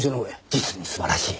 実に素晴らしい！